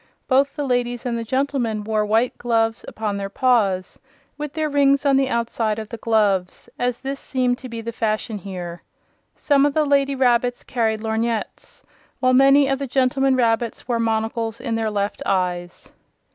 Both the ladies and the gentlemen wore white gloves upon their paws, with their rings on the outside of the gloves, as this seemed to be the fashion here. Some of the lady rabbits carried lorgnettes, while many of the gentlemen rabbits wore monocles in their left eyes.